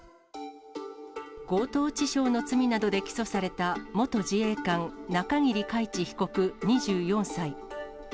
強盗致傷の罪などで起訴された元自衛官、中桐海知被告２４歳。